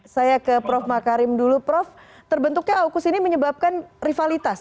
saya ke prof makarim dulu prof terbentuknya aukus ini menyebabkan rivalitas